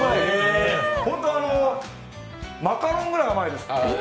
本当、マカロンぐらい甘いです。